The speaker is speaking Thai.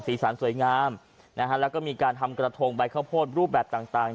สารสวยงามนะฮะแล้วก็มีการทำกระทงใบข้าวโพดรูปแบบต่าง